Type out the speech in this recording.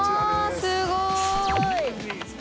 すごい。わ！